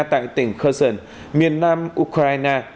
tại tỉnh kherson miền nam ukraine